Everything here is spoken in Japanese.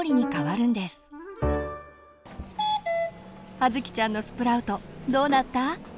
葉月ちゃんのスプラウトどうなった？